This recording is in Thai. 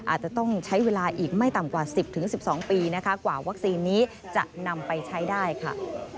อาจจะต้องใช้เวลาอีกไม่ต่ำกว่า๑๐๑๒ปีนะคะกว่าวัคซีนนี้จะนำไปใช้ได้ค่ะ